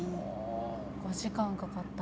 ５時間かかった。